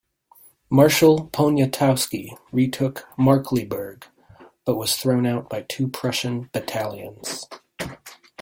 Marshal Poniatowski retook Markkleeberg, but was thrown out by two Prussian battalions.